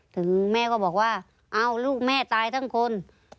ถึงแม่ก็บอกว่าเอาลูกแม่ตายทั้งคน